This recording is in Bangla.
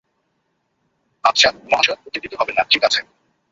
আচ্ছা, মহাশয়া, উত্তেজিত হবেন না, ঠিক আছে?